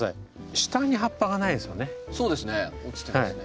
下に葉っぱがないですよね。